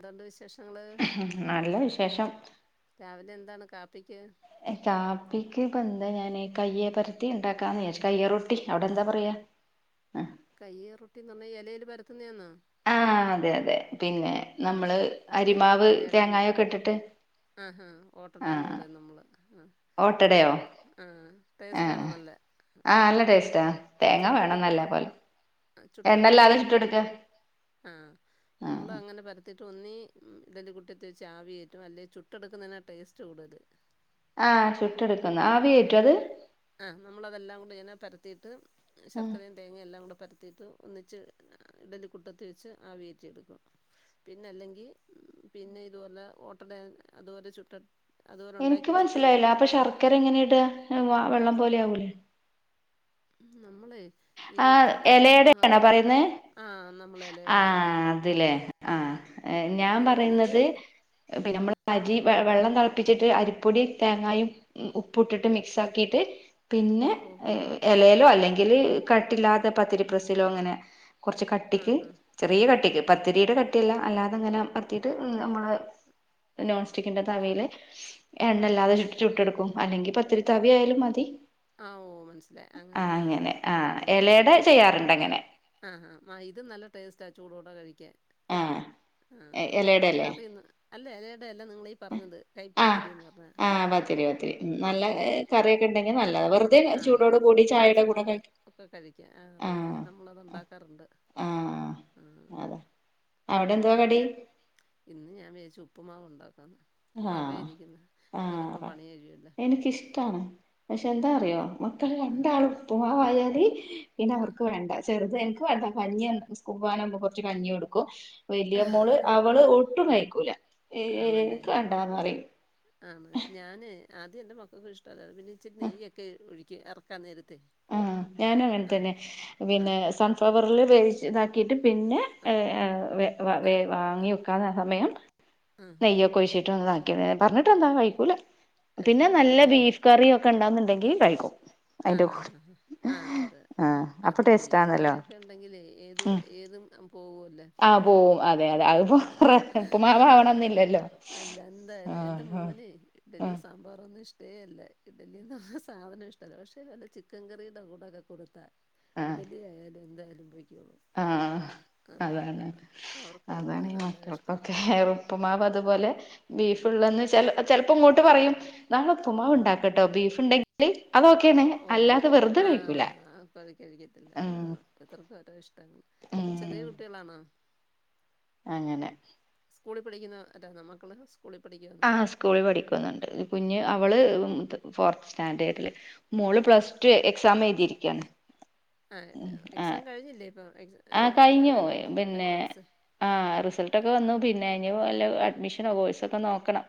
ന്തുണ്ട് വിശേഷങ്ങള്? ഉം നല്ല വിശേഷം രാവിലെ എന്താണ് കാപ്പിക്ക് കാപ്പിക്ക് ഇപ്പ എന്താ ഞാൻ കയ്യെ പരത്തി ഉണ്ടാക്കാന്ന് വിചാരിച്ചു. കയ്യേ റൊട്ടി. അവിടെ എന്താ പറയാ? ആഹ് കൈയേ റൊട്ടി ന്ന് പർഞ്ഞാ എലയില് പരത്തുന്നയാന്നോ? ആഹ് അതെ അതെ. പിന്നെ നമ്മള് അരിമാവ് ഇലയിടാന്ന് തേങ്ങായൊക്കെ ഇട്ടിട്ട് ആഹാ ഓട്ടെടാ ന്ന് ആഹ് പറയും നമ്മൾ ഹാ ഓട്ടടയോ ഇഷ്ട ആഹ് ആഹ് ടേസ്റ്റാണ് നല്ലെ ആഹ് നല്ല ടേസ്റ്റാ തേങ്ങ വേണം ചുട്ടെടുക്കോ നല്ല പോലെ ആഹ് ചുട്ടടുക്ക എണ്ണല്ലാതെ അത് ചുട്ടെടുക്ക ആഹ് നമ്മൾ ആഹ് അങ്ങനെ പരത്തിയിട്ട് ഒന്നി ഇഡലി കുട്ടത്തി വെച്ച് ആവി കേറ്റും അല്ലെ ചുട്ടെടുക്കുന്നതിനാ ടേസ്റ്റ് കൂടുതൽ ആഹ് ചുട്ടെടുക്കുന്നത്. ആവി കേറ്റോ അത്? ആഹ് നമ്മളതെല്ലാം കൂടി ഇങ്ങന പരത്തിയിട്ട് ആഹ് ശർക്കരയും തേങ്ങയും എല്ലാം കൂടെ പരത്തിയിട്ട് ഒന്നിച്ച് ഇഡലി കുട്ടത്തി വെച്ച് ആവി കേറ്റിയെടുക്കും പിന്ന അല്ലെങ്കി പിന്നെ ഇതുപോലെ ഓട്ടട അതുപോലെ ചുട്ട അതുപോലെ ഉണ്ടാക്കി എനിക്ക് വെച്ചിട്ട് ചു മനസ്സിലായില്ല അപ്പൊ ശർക്കര എങ്ങനെയിട വെള്ളം പോലെ ആകൂലേ ഉഹും നമ്മളെ ഈ ആഹ് ചപ്പാത്തിയുടെ എലയെട മാവ് ആണോ പറയുന്നെ? ആഹ് നമ്മൾ ഇലയടയാ ആഹ് പറഞ്ഞത് അത് ലേ ആഹ് ഉം. ഏഹ് ഞാൻ നിങ്ങളിത് പറയുന്നത് പിന്നെ ആഹ് നമ്മൾ അരി വ വെള്ളം തളപ്പിച്ചിട്ട് അരിപ്പൊടി തേങ്ങായും ഉ പ്പൂട്ടിട്ട് ആഹ് മിക്സാക്കിട്ട് പിന്നെ ഓഹോ എലേലോ അല്ലെങ്കിൽ കട്ടില്ലാത്ത പത്തിരി പ്രസിലോ അങ്ങനെ കുറച്ച് കട്ടിക്ക് ആഹ് ആഹ് ചെറിയ കട്ടിക്ക് പത്തിരിയുടെ കട്ടിയല്ല അല്ലാതെ ങ്ങനെ പ ത്തീട്ട് നമ്മള് നോൺ സ്റ്റിക്കിന്റെ ഓ തവേല് ആഹ് എണ്ണല്ലാതെ ചുട്ടിട്ട് ചുട്ടെടുക്കും. അല്ലെങ്കി പത്തിരി തവി ആയാലും മതി. ആഹ് ഓ മനസ്സിലായി ആഹ് അങ്ങനെ ആഹ് എലയട ഉണ്ടാക്കുക ചെയ്യാറ്ണ്ട് അങ്ങനെ ആഹ്. ആ ഇതും നല്ല ടേസ്റ്റാ ചൂടോടെ കഴിക്കാൻ ആഹ് ആഹ് ഇലയുടെ അല്ലേ കറിയുന്ന് അല്ല എലയടയല്ല നിങ്ങളീ പറഞ്ഞത് ആഹ് കൈപ്പത്തിരീന്ന് പറഞ്ഞ ആഹ് പത്തിരി പത്തിരി ഉം ആഹ് ഏ, നല്ല ഉണ്ടെങ്കിൽ കറിയൊക്കെ നല്ലതാ വെറുതെ ഉണ്ടെങ്കി ആഹ് ചൂടോട് കൂടി ആഹ് ചായയുടെ ചൂ കൂടെ കഴി ഒക്കെ കഴിക്ക്യാം. ആഹ് അറിയറിയാ. നമ്മളത്ണ്ടാ ക്കാറുണ്ട്. ആഹ് ആഹ് അതെ അവിടെ എന്തുവാ ഉം കടി? ഇന്ന് ഞാൻ വിചാരിച്ചു ഉപ്പുമാവ് ഉണ്ടാക്കാംന്ന്. റവ ആഹ് ഇരിക്കുന്ന്. എളുപ്പം ആഹ് പണി കഴിയല്ലോ എനിക്കിഷ്ടാണ് പക്ഷെ എന്താ അറിയോ മക്കൾ ആഹ് രണ്ടാളും ഉപ്പുമാവ് ആയാല് പിന്നെ ആഹ് അവർക്ക് വേണ്ട. ചെറുത് എനിക്ക് വേണ്ട കഞ്ഞിയാണ്. സ്കൂൾ പോകാനാവുമ്പോ കുറച്ച് കഞ്ഞി കൊടുക്കും. വലിയ മോൾ അവൾ ഒട്ടും കഴിക്കൂല എ എ ആണല്ലേ എഎനിക്ക് വേണ്ടാന്ന് പറിം. ആണ് ഞാൻ ആദ്യം എന്റെ മക്കൾക്ക് ഇഷ്ടമല്ലായിരുന്നു പിന്നെ ഇച്ചിരി നെയ്യ് ഒക്കെ ഒഴിക്കും. എറക്കാൻ നേരത്തെ. ആഹ്. ഞാനും ആഹ് അങ്ങൻതന്ന്യാ. പിന്നെ ആഹ് സൺഫ്ലവറിൽ വേവിച്ച് ഇതാക്കിട്ട് പിന്നെ ആഹ് ഏഹ് ഏഹ് വേ വാ വേ വാങ്ങി വ്ക്കാന്ന സമയം ആഹ് നെയ്യൊക്കൊഴിച്ചിട്ട് ഒന്ന് ഇതാക്കി ന്ന് പറഞ്ഞിട്ട് എന്താ ആഹ് കഴിക്കൂല്ല പിന്നെ കഴിക്കത്തില്ല നല്ല ബീഫ് കറിയും ഒക്കെണ്ടാവുംന്നുണ്ടെങ്കി കഴിക്കും. അതിന്റെ ആഹ് കൂടെ ഹ ഹാ ആഹ് അതെ. ആഹ് അപ്പൊ അത് ബീഫ് ടേസ്റ്റാണല്ലോ കറിയൊക്കെ ഉണ്ടെങ്കിലേ ഏത് ഉം ഏതും പോകുവല്ല. ആഹ് പോവും അതെ അതെ. അത് ഇപ്പോ ഉപ്പമാവാവണംന്നില്ലല്ലോ ആഹ് ഹാ ഇഡലീം സാമ്പാറു ഒന്നും ഇഷ്ടേ അല്ല ഇഡ്ലിന്ന് ആ സാധനം ഇഷ് ടല്ല. പക്ഷേ നല്ല ചിക്കൻ കറിയുടെ കൂടെ ഒക്കെ കൊടുത്താ ആഹ് ഇഡലി ആയാലും എന്തായാലും പൊയ്ക്കോളും. ആഹ് അതാണ്. അവർക്ക് അതാണ് ഈ അതാ ഇഷ്ടം മക്കൾക്കൊക്കെ റുപ്പ്മാവ് അതുപോലെ ബീഫ് ഉള്ളന്ന് ചെല ചെലപ്പം ഇങ്ങോട്ട് പറയും നാളെ ഉപ്പുമാവ് ഉണ്ടാക്കട്ടോ ബീഫ് ഉണ്ടെ [inaudible] ഓഹ് കഴിക്കൂല ആഹ് അപ്പത് കഴിക്കത്തില്ല ഉം ആഹ് [inaudible] ഇഷ്ടങ്ങൾ ചെറിയ ഉം കുട്ടികളാണോ അങ്ങനെ സ്കൂളിൽ പഠിക്കുന്ന ഇതാണ് മക്കള് സ്‌കൂളിൽ പഠിക്ക ആഹ് സ്കൂളിൽ പഠിക്കുന്നുണ്ട് കുഞ്ഞ് അവൾ ഫോർത്ത് സ്റ്റാൻഡേർഡിൽ മോൾ പ്ലസ്ടു എക്സാം എഴുതിയിരിക്കയാണ് ആ ഉം എക്സാം ആഹ് കഴിഞ്ഞില്ലേ ഇപ്പോൾ എക്സ് ഞാൻ അടുത്ത എൻ എൻട്രൻസ് ആഹ് റിസൾട്ടൊക്കെ വന്നു പിന്നെ ഇനി വല്ല അഡ്മിഷനോ കോഴസൊക്കെ നോക്കണം.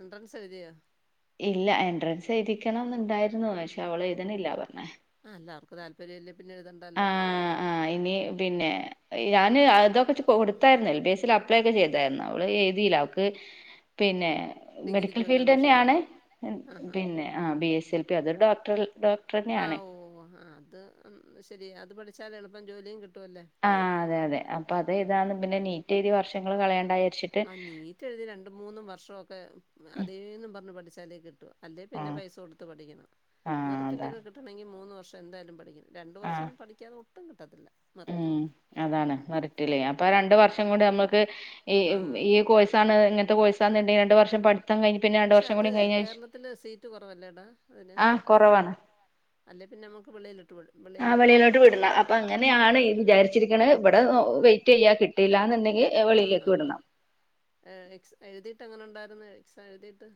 എൻട്രൻസ് എഴുതിയോ ഇല്ല എൻട്രൻസ് എഴുതിക്കണം ഉണ്ടായിരുന്നു പക്ഷെ അവൾ എഴുതണില്ലാ പറഞ്ഞേ ആഹ് അല്ല അവർക്ക് താല്പര്യം ഇല്ലേ പിന്നെ എഴുതണ്ടല്ലോ ആഹ് ആഹ് ഇനി പിന്നെ ഞാൻ അതൊക്കെ കൊടുത്തായിരുന്നു എൽബിഎസ്ൽ അപ്ലൈ ഒക്കെ ചെയ്തായിരുന്നു അവൾ എഴുതിയില്ല അവൾക്ക് പിന്നെ ഡിഗ്രിക്ക് മെഡിക്കൽ ഫീൽഡ് പോകാനാണോ ഇഷ്ടം തന്നെയാണ് ആ ഹാ പിന്നെ ആഹ് ബിഎസ്എൽ തേ അത് അതൊരു ഡോക്ടർ ഡോക്‌ട ആഹ് ഓ ഓ ആഹ് അത് ശരി അത് പഠിച്ചാൽ എളുപ്പം ജോലിയും കിട്ടുമല്ലേ ആഹ് അതെ അതെ അപ്പ അത് ആ എഴുതാനും പിന്നെ നീറ്റ് എഴുതി വർഷങ്ങൾ കളയേണ്ട വിചാരിച്ച് ആഹ് നീറ്റ് എഴുതി രണ്ട് മൂന്നും വർഷമൊക്കെ അതേന്നും പറഞ്ഞു പഠിച്ചാലേ കിട്ടൂ. അല്ലെ പിന്നെ ആഹ് പൈസ കൊടുത്ത് പഠിക്കണം ആഹ് അതാ മെറിറ്റിലൊക്കെ കിട്ടണമെങ്കിൽ മൂന്ന് വർഷം എന്തായാലും പഠിക്കണം രണ്ടു ആഹ് വർഷം പഠിക്കാതെ ഒട്ടും കിട്ടത്തില്ല മെറിറ്റിൽ ഉം അതാണ് മെറിറ്റില്ലേ അപ്പൊ രണ്ടു വർഷം കൂടി നമ്മൾക്ക് ആഹ് ഈ കോഴ്‌സാണ് ഈ കോഴ്സാന്നുണ്ടെങ്കിൽ കോഴ്‌സാണ് രണ്ട് വർഷം പഠിത്തം കഴിഞ്ഞ് പിന്നെ രണ്ട് പഠിത്തം വർഷം [inaudible] അത് കൂടി കഴിഞ്ഞ കേരളത്തിൽ കുറവല്ലേടാ അതിന് ആഹ് കുറവാണ് അല്ലെ പിന്നെ നമുക്ക് വെളിയിലിട്ട് വി ആഹ് വെളിയിലോട്ട് വിടണം അപ്പൊ അങ്ങനെയാണ് വിചാരിച്ചിരിക്കണ ഇവിടെ വെയിറ്റ് ചെയ്യാ കിട്ടും കിട്ടില്ലാന്നുണ്ടെങ്കിൽ വെളിയിലേക്ക് വിടണം. ഏഹ് ഏസ് എഴുതിയിട്ട് എങ്ങനെ ഉണ്ടായിരുന്നു എക്സാം എഴുതിയിട്ട്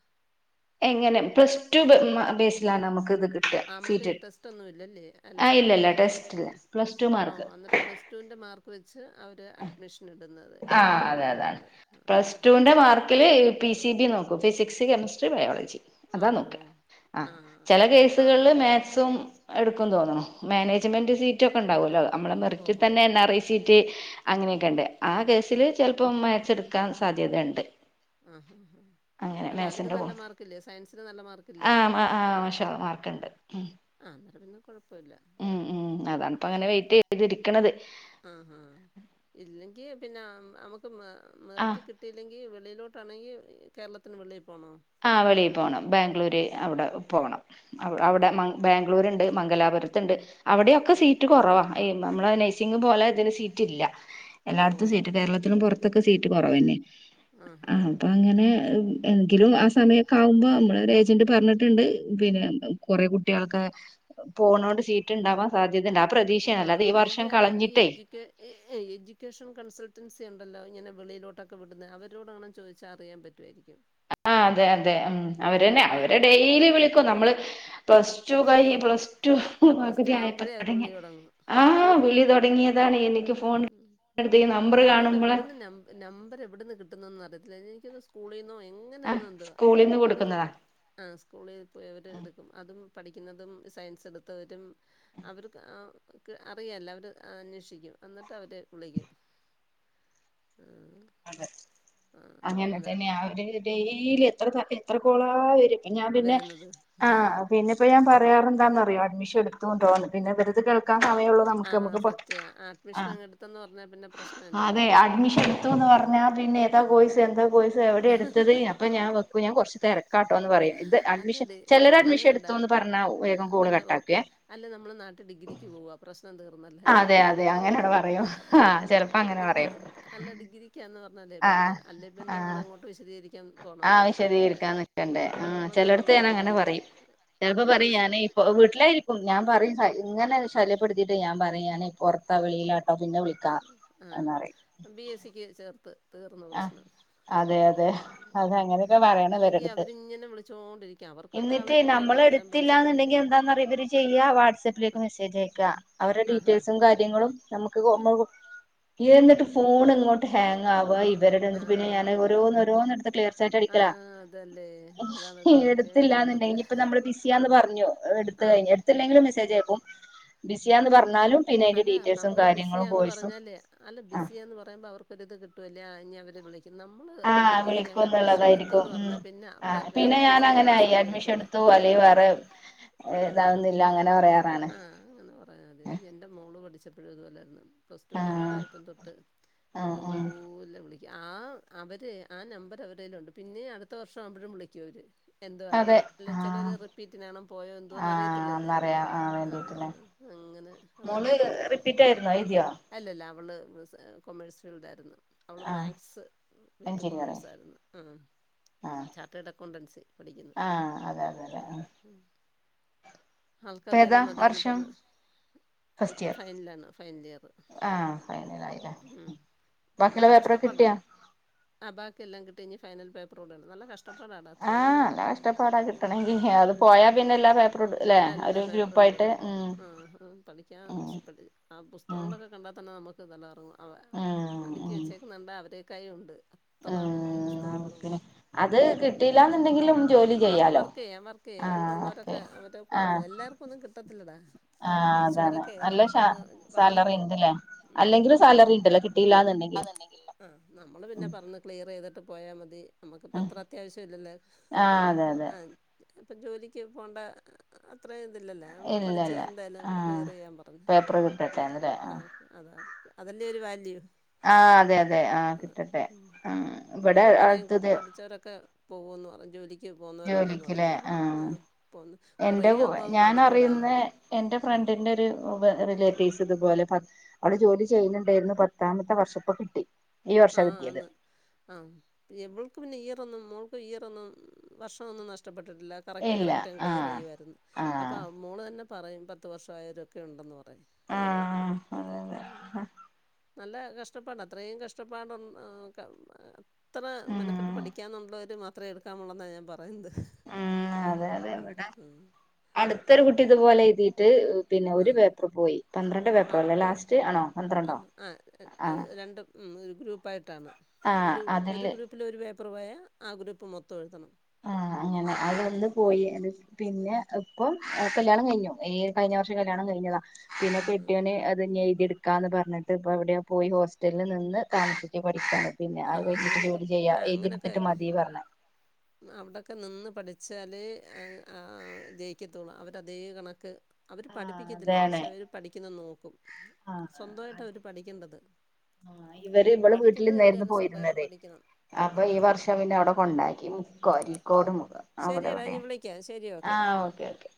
എങ്ങനെ പ്ലസ്ടു ബേസിലാണ് നമുക്ക് ഇത് കിട്ടുക ആഹ് നമുക്ക് സീറ്റ് ടെസ്റ്റ് ഒന്നുമില്ലല്ലേ അല്ല ആ ഇല്ലല്ല അല്ലാതെ ടെസ്റ്റില്ല പ്ലസ് ടു മാർക്ക് ഓഹ് എന്നിട്ട് പ്ലസ് പ്ലസ്ടുൻ്റെ മാർക്ക് വെച്ച് അവർ അഡ്മിഷൻ ഇടുന്നത് ആ ഇടുന്നത് എടുക്കുന്നത്. [inaudible] പിസി ജി നോക്കും ഫിസിക്സ് കെമിസ്ട്രി ബയോളജി ആഹ് ഓഹ് ഓഹ് ആഹ് ചെല കേസുകളിൽ മാക്സും എടുക്കും തോന്നണു മാനേജ്മെന്റ് സീറ്റ് ഉണ്ടാവല്ലോ നമ്മുടെ മെറിറ്റിൽ ഓഹോ തന്നെ എൻആർഐ സീറ്റ് അങ്ങനൊക്കെ ആ കേസില് ചെലപ്പോം മാക്ച്ചെടുക്കാൻ സാധ്യതണ്ട് ആ ഹാ ഹാ അല്ല അതിന് നല്ല മോൾ മാർക്ക് ല്ലേ സയൻസിന് നല്ല മാർക്കല്ലേ ആഹ് ആഹ് മാഷാ അള്ളാ മാർക്ക്ണ്ട് ആഹ് അന്നേരം പിന്നെ കുഴപ്പില്ല ഉം ഉം അതാണ്പ്പ അങ്ങനെ സൈ വെയിറ്റ് ചെയ്തിരിക്കണത് ആ ഹാ ഇല്ലെങ്കിൽ പിന്നെ നമുക്ക് ആഹ് മെറിറ്റി കിട്ട കിട്ടില്ലങ്കിൽ വെളിയിലോട്ട്ണെങ്കിൽ കേരളത്തിന് വെളിയിൽ പോണോ ആഹ് വെളിയിൽ ആഹാ പോണം ബാംഗ്ലൂര് അവിടെ പോണം അവിടെ ബാംഗ്ലൂരുണ്ട് മംഗലാപുരത്തുണ്ട് അവിടൊക്കെ സീറ്റ് കുറവാ നമ്മള പോലെ ഇതിന് സീറ്റ് ഇല്ല എല്ലായിടത്തും സീറ്റ് കേരളത്തിനും പുറ സീറ്റ് കുറവന്നെ ആഹ് ആഹ് ആഹ് അപ്പൊ അങ്ങനെ എങ്കിലും സമയൊക്കെ ആകുമ്പോ നമ്മള ഏജന്റ് പറഞ്ഞിട്ടുണ്ട് പിന്നെ കുറെേ കുട്ട്യാക്കെ പോണോണ്ട് സീറ്റ്ണ്ടാവാ സാധ്യതണ്ട് ആ പ്രതീക്ഷയണ് അല്ലാതെ ആ ഈ വർഷം അല്ലെങ്കിൽ ആ ഈ കളഞ്ഞിട്ടേ എഡ്യൂക്കേ എഡ്യൂക്കേഷൻ കൺസൾട്ടൻസി ഉണ്ടല്ലോ ഇങ്ങനെ വെളിയി ലോട്ടൊക്കെ വിടുന്ന അവരോട് അണേ ചോദിച്ചാൽ അറിയാൻ പറ്റുമായിരിക്കും [unintelligible] ആഹ് അതെ അതെ ഉം ഉം അവര്ന്നെ അവരെ ഏജൻസ് ഡെയിലി വിളിക്കും നമ്മള് പ്ലസ് ടു കൈ പ്ലസ് ടു ആ പ്ലസ് ടു ആവുമ്പോഴേ അവര് തുടങ്ങ വിളി തുടങ്ങും ആഹ് ഉം വിളി തുടങ്ങിയതാണ് എനിക്ക് ഫോൺ ഈ നമ്പർ അവർക്ക് കാണുമ്പോളെ എവിടുന്ന് നം നമ്പർ എവിടന്ന് കിട്ടുന്നതന്ന് അറിയത്തില്ല എനിക്കോന്ന് സ് സ്കൂളിൽ നിന്നോ ആഹ് എങ്ങനെയാണ് എന്തുവാ സ്കൂളിൽന്ന് അവര് കൊടുക്കുന്നതാ ആഹ് സ്കൂളിൽ പോയി അവര് എടുക്കും അതും പഠിക്കുന്നതും സയൻസ് എടുത്തവരും അവർക്ക് അറിയല്ല അവര് അന്വേഷിക്കും എന്നിട്ട് അവര് വിളിക്കും ആഹ് അതെ ആഹ് അങ്ങനെ അന്നേരം തന്നെ അവര് ഡെയിലി എത്ര എത്ര കോള വരാ ഞാൻ പിന്നെ വരുന്നത് ആഹ് പിന്നെ ഇപ്പോ ഞാൻ പറയാറ എന്താന്ന്റിയോ അഡ്മഷൻ എടുത്തുണ്ടോന്ന് പിന്നെ ഇവരത് [unintelligible] നമുക്ക് ആഹ് നമു സത്യ അഡ്മിഷൻ ആഹ് അങ്ങ് എടുത്തെന്ന് പറഞ്ഞാ പിന്നെ പ്രശ്നം ഇല്ലല്ലോ അതെ അഡ്മിഷൻ ന്ന് പറഞ്ഞാൽ പിന്നെ എന്താ ഉം കോയ്സ് എന്താ കോയ്സ് എവിടെ എടുത്തത് അപ്പം ഞാൻ വെക്കും ഞാൻ കുറച്ച് തിരക്കാട്ടോ എന്ന് പറയും ഇത് അഡ്മിഷൻ അല്ലടി ചിലർ അത് അഡ്മിഷൻ വേണ്ട എടുത്തുന്ന് പറഞ്ഞ വേഗം കോൾ പിന്നെ ഓക്കെ കട്ടാക്കും അല്ല നമ്മൾ നാട്ട് ഡിഗ്രക്ക് പോക പ്രശ്നം എഹ് തീർന്നല്ലേ അതെ അതെ അങ്ങനെയട് പറയും ആഹ് ചെലപ്പോ അങ്ങനെ പറയും ഡിഗ്രി അല്ല ഡിഗ്രിക്കാണന്ന് പറഞ്ഞാൽ പിന്നെ ആഹ് അല്ലേപ്പിന്നെ ആഹ് നമ്മളങ്ങോട്ട് വിശദീകരിക്കും പോണം ആഹ് വിശദീകരിക്കാൻ നിക്കണ്ടേ ആഹ് നമ്മളെ നാട്ടില ചിലടത്ത് ഞാൻ അങ്ങനെ ഡിഗ്രിക്ക് പറയും ആഹ് ചിലപ്പോ ബി പറയും എസ് സി ഞാന് ഇപ്പൊ വീട്ടിലായിരിക്കും ഞാൻ പറയും ഇങ്ങനെ ശല്യപ്പെടുത്തിയിട്ട് ഞാൻ പറയും ഞാന് പുറത്ത വെളിയില അപ്പ പിന്നെ വിളിക്കാം ആ എന്ന്റയും ബി എസ് സിക്ക് ചേർത്ത് തീർന്ന് ആഹ് പ്രശ്നം അതെ അതെ അത് ഉം അങ്ങനെയൊക്കെ പറയണം അല്ലെങ്കി അവരിങ്ങനെ വിളിച്ചോണ്ടിരിക്കും അവർക്ക് ഒരാളെ എന്നിട്ടേ നമ്മൾ കിട്ടിയാലേ അത്രയും പൈസ എടുത്തില്ലന്നുണ്ടെങ്കിൽ കിട്ടുന്നില്ലേ എന്താന്ന് അറിയോ ഇവര് ചെയ്യ വാട്സപ്ആപ്പിലേക്ക് ആ മെസ്സേജ് അയക്ക അവരുടെ ആഹാ ഡീറ്റെൽസും കാര്യം കാര്യങ്ങളും നമ്മക്ക് നമ്മെ എന്നിട്ട് ഫോൺ ഇങ്ങോട്ട് ഹാങ്ങ് ആവാം ന്നിട്ട് പിന്നെ ആഹ് ഞാന് ഓരോന്നോരോന്ന് എടുത്ത് ക്ലിയർ ചാറ്റ് അടിക്ക ആഹ് അതല്ലേ അതാണൊരു എടുത്തില്ലന്നണ്ട മെനക്കേടാണത് ഇനിപ്പ നമ്മള് ബിസിയാന്ന് പറഞ്ഞു ആഹ് അടുത്ത്ല്ലെങ്കിലും മെസേജ് അയക്കും ബിസിയാന്ന് പറഞ്ഞാലും പിന്നെ അതിന്റെ അല്ല ഡീറ്റെയിൽസും നമ്മള് കാര്യങ്ങളും ബിസിയാന്ന് വോയിസും പറഞ്ഞാലേ അല്ല ആ ബിസിയാന്ന് പറയുമ്പോ അവർക്കൊരിത് കിട്ടും ഇനി അവര് വിളിക്ക നമ്മള് ആ ഡിഗ്രിക്ക് വിളിക്കും അങ്ങ് അഡ്മിഷൻ എന്നുള്ളതായിരിക്കും എടുത്തുന്ന് ഉം പറഞ്ഞാൽ പിന്നെ അവിടെ വേറൊരു ക്വസ്റ്റിനും ആൻസറും വരത്തില്ല പോല വേറെ ഉം ഇതകുന്നില്ല അങ്ങനെ പറയാറാണ് ആഹ് അങ്ങനെ പറയാതെ ആ എന്റെ മോള് പഠിച്ചപ്പളും ഇതുപോലായിനു പ്ലസ് ആഹ് ടുലായപ്പം തൊട്ട് ആഹ് ആഹ് ദൂല വിളിക്ക ആഹ് അവര് ആഹ് നമ്പർ അവരേലുണ്ട് പിന്നെ അടുത്ത വർഷം ആവുമ്പഴും വിളിക്കോവര് എന്തോ ആയ് അതെ അല്ല ചിലർ ആഹ് റിപ്പീറ്റിനാണ പോയോ എന്തോന്ന് ആഹ് അറിയത്തില്ലല്ലോ ഒന്നറിയാൻ ആഹ് വേണ്ടിട്ടല്ലേ ആഹ് അങ്ങനെ മോള് അതാണ് റിപ്പീറ്റ് ആയിരുന്നോ എഴുതിയോ അല്ലല്ല അവള് കൊമേഴ്സ് ഫീൽഡ് ആയിരുന്നു അവള് ആഹ് മാത്‌സ് വിത്ത് കൊമേഴ്സ് എഞ്ചിനീയറിംഗ് ആയിരുന്നു ആഹ് ആഹ് ചാർട്ടേഡ് അക്കൗണ്ടൻസി പഠിക്കുന്നു ആഹ് അതെ അതെ അതെ ആഹ് ആഹ് ഇപ്പ ആൾക്കതെന്നെ ഏതാ മതീന്ന് വർഷം പർഞ്ഞു. ഫസ്റ്റ് ഇപ്പൊ ഇയർ ഫൈനലാണ് ഫൈനൽ ഇയർ ആഹ് ഫൈനലായില്ലേ ഉം ബാക്കിയുള്ള നല്ല പേപ്പറൊക്കെ കഷ്ടപ്പാട കിട്ടിയാ ആഹ് ബാക്കി എല്ലാം കിട്ടി ഇനി ഫൈനൽ പേപ്പറോടെണ്ട് നല്ല കഷ്ട ഷ്ടപ്പാടാണ് ആഹ് അത്രേയും നല്ല കഷ്ടപ്പാടാ കിട്ടണെങ്കി അത് പോയാ ആഹ് പിന്നെ എല്ലാ പേപ്പറും ല്ലേ അല്ല ഒരു പേപ്പ ഗ്രൂപ്പായിട്ട് ഉം [unintelligible] പഠിക്കാൻ ഉം പഠി ആഹ് ഉം പുസ്തകങ്ങളൊക്കെ കണ്ടാൽ തന്നെ നമുക്ക് തല കറുങ്ങ്യാ അവ ഉം അടുക്കി വെച്ചേക്കണണ്ട അവരേക്കായും ഉണ്ട് ത്രെ ഉം വല്യ ഉം പുസ്തകങ്ങളും പിന്നെ അത് കിട്ടിയില്ലാന്നുണ്ടെങ്കിലും ജോലി അവർക്ക് ചെയ്യാലോ വർക്ക് ചെയ്യ ക്കെ ആഹ് ഓക്കെ കൂടള്ളോരൊക്കെ അവരെ കൂടെള്ള ആഹ് എല്ലാർക്കൊന്നും കിട്ടത്തില്ലടാ, ആഹ് കുറച്ച് അതാണ്, പേരൊക്കെ നല്ല അങ്ങ് വർക്കിന് പോകും സാലറിണ്ട്ലേ ഉം അല്ലെങ്കിലും സാലറിണ്ട്ലേ കി കിട്ടീല്ലാന്നുണ്ടെങ്കിലും, ആഹ്, നമ്മൾ പിന്നെ പറഞ്ഞ് ക്ലിയർ ചെയ്തിട്ട് പോയാൽ മതി, നമ്മക്കിപ്പോം ഉം അത്ര അത്യാവശ്യം ഇല്ലല്ലേ ആഹ് അതെ അതെ ആഹ ഇപ്പം ജോലിക്ക് പോകേണ്ട അത്രയും ഇതില്ലല്ലോ നമ്മൾ പഠിച്ച് ഇല്ലല്ല എന്തായാലും ആഹ് ക്ലിയർ ചെയ്യാൻ പറഞ്ഞു പേപ്പർ കിട്ടട്ടെന്നല്ലേ ആഹ് ഓക്കെ, അതാ അതെല്ലേ ഒരു വാല്യു, ആഹ് അതെ അതെ ആഹ് കിട്ടട്ടെ ആഹ് ഇവിടെ മോള് പറയും കൂടെ അടുത്തത് പഠിച്ചവരൊക്ക, പോവൂന്ന് പറയും ജോലി ക്ക് പോകുന്നവരുണ്ടെന്ന് പറയും, ആഹ്, പോന്ന് കുറേ എന്റെ ആമ്പോ ഞാൻ മടുക്കുംടാ, അറിയുന്ന എന്റെ ഫ്രണ്ടിന്റെ ഒരു, റിലേറ്റീവ്സ് ഇതുപോലെ അവിടെ ജോലി ചെയ്യുന്നുണ്ടായിരുന്നു പത്താമത്തെ വർഷപ്പ കിട്ടി. ഈ വർഷ ആഹ് കിട്ടിയത് ആന്ന്, ആഹ്, വെൾക്ക് പിന്നെ ഇയറൊന്നും മോൾക്ക് ഇയറൊന്നും വർഷമൊന്നും നഷ്ടപ്പെട്ടിട്ടില്ല, കറക്റ്റ് ഇല്ല കറക്റ്റ് ക്ലിയർ ആഹ് ചെയ്യായിരുന്നു അപ്പോൾ ആഹ് ആഹ മോള് തന്നെ പറയും പത്ത് വർഷംമായവരൊക്കെ ഉണ്ടെന്ന് പറ ആഹ് അതെ അതെ നല്ല കഷ്ടപ്പാടാ ത്രേയ് കഷ് കഷ്ടപ്പാടൊന്ന് [unintelligible] ആഹ്, ത്ര ഉം മെനക്കെട്ട് പഠിക്കന്നുള്ളവര് മാത്രമേ എടുക്കാമുള്ളൂന്നാണ് ഞാൻ പറയുന്നത്, ഉം അതെ, അതെ, ഉം, വിടെ ഉം, അടുത്തൊരു കുട്ടി ഇത്പോലെ എഴുതിട്ട് പിന്നെ ഒരു പേ ആ ന്ന് പോയി പന്ത്രണ്ട് പേപ്പർ അല്ലേ ലാസ്റ്റ്, ആണോ? പന്ത്രണ്ടോ ആഹ് ആഹ് അത് ആഹ് രണ്ട് ഗ്രൂപ്പായിട്ടാണ് ആഹ് ഒരു അതില് ഗ്രൂപ്പ്, പ്പില ഒരു പേപ്പർ പോയാ ആ ഗ്രൂപ്പ് മൊത്തം എഴുതണം, ആഹ്, അങ്ങനെ അതൊന്ന് ആ പോയി, പിന്നെ ഇപ്പം കല്യാണം കഴിഞ്ഞു, ഈ കഴിഞ്ഞ വർഷം കല്യാണം കഴിഞ്ഞതാ പിന്നെ ആ കെട്യോന്, അതെന്നെ എഴുതി എടുക്കാന്ന് പറഞ്ഞിട്ട് ഇപ്പ എവിടെയ പോയി ഹോസ്റ്റലിൽ നിന്ന് താമസച്ച് പഠിക്കാണ്, പിന്നെ ആ അത് കയ്ഞ്ഞിട്ട് അങ്ങനെയൊക്കെ ജോലി ചെയ്യാ എഴ്തി എടുത്തിട്ട് മതി പർഞ്ഞ്, അവിടൊക്കെ നിന്ന് പഠിച്ചാല് ജയി ക്കത്തുള്ളൂ അവരതേ കണക്ക് അവർ ആഹ് പഠിപ്പിക്കത്തില്ല പക്ഷെ അതാണ് അവർ പഠിക്കുന്നെന്ന് നോക്കും, ആഹ് സ്വന്തമായിട്ട അവര് പഠിക്കേണ്ടത് പഠിക്കേണ്ടത് അവ പോയ്രുന്നത്, അപ്പൊ ഈ വർഷം പിന്നെ അവിടെ കൊണ്ടാക്കി മുക്കോ അരിക്കോട് മുഖം, അവിടെ ശെരിയടാ എവിടെ ഞാൻ വിളിക്കാം, ശെരി, ഓക്കെ, ആ ഓക്കെ ഓക്കെ,